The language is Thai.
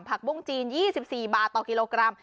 บุ้งจีน๒๔บาทต่อกิโลกรัม